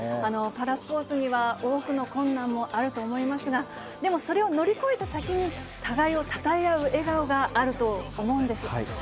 パラスポーツには、多くの困難もあると思いますが、でも、それを乗り越えた先に、互いをたたえ合う笑顔があると思うんです。